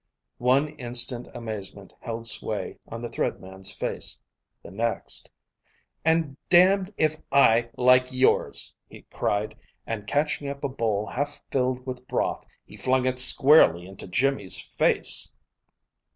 One instant amazement held sway on the Thread Man's face; the next, "And damned if I like yours!" he cried, and catching up a bowl half filled with broth he flung it squarely into Jimmy's face.